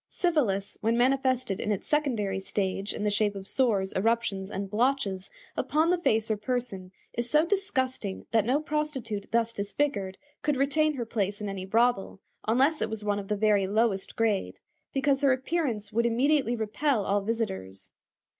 Syphilis, when manifested in its secondary stage in the shape of sores, eruptions, and blotches upon the face or person, is so disgusting that no prostitute thus disfigured could retain her place in any brothel, unless it was one of the very lowest grade, because her appearance would immediately repel all visitors.